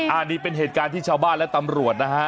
อันนี้เป็นเหตุการณ์ที่ชาวบ้านและตำรวจนะฮะ